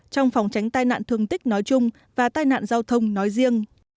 trong phòng tránh tai nạn thương tích nói chung và tai nạn giao thông nói riêng